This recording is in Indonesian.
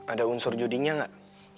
ada unsur judinya enggak